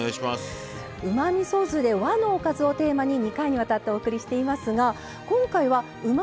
うまみそ酢で和のおかずをテーマに２回にわたってお送りしていますが今回はうま